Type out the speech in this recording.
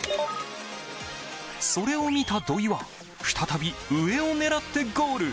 それを見た土井は再び上を狙ってゴール。